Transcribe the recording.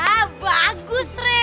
ah bagus re